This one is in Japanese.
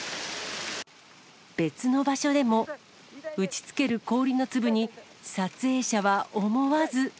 別の場所でも、打ちつける氷の粒に、撮影者は思わず。